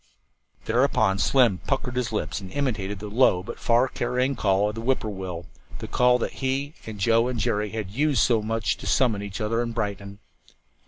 Thereupon Slim puckered up his lips and imitated the low but far carrying call of the whip poor will the call that he and Joe and Jerry had used so much to summon each other at Brighton.